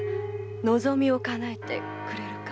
望みを叶えてくれるか？